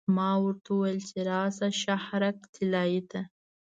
ما ورته وویل چې راشه شهرک طلایې ته.